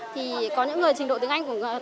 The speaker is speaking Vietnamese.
thì có những người trình độ tiếng anh